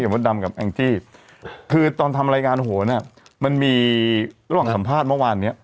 มดดำกับแองจี้คือตอนทำรายงานโหเนี่ยมันมีระหว่างสัมภาษณ์เมื่อวานเนี้ย